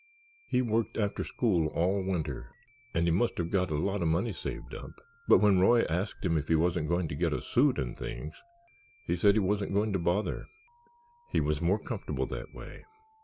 He worked after school all winter and he must have got a lot of money saved up, but when Roy asked him if he wasn't going to get a suit and things, he said he wasn't going to bother—he was more comfortable that way.